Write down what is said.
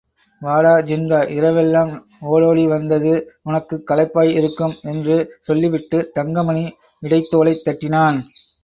வாடா ஜின்கா, இரவெல்லாம் ஓடோடி வந்தது உனக்குக் களைப்பாய் இருக்கும் என்று சொல்லிவிட்டுத் தங்கமணி இடத்தோளைத் தட்டினான்.